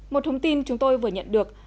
một thông tin chúng tôi vừa nhận được